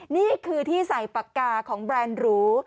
นี่คือที่ใส่ปากกาของแบรนด์หรู